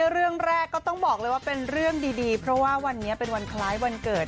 เรื่องแรกก็ต้องบอกเลยว่าเป็นเรื่องดีเพราะว่าวันนี้เป็นวันคล้ายวันเกิด